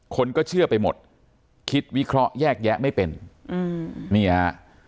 คนก็เชื่อไปหมดคิดวิเคราะห์แยกแยะไม่เป็นอืมนี่ฮะ